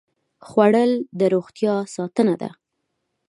خوړل د روغتیا ساتنه ده